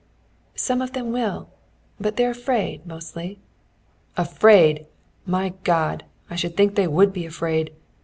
"Some of them will. But they're afraid, mostly." "Afraid! My God, I should think they would be afraid!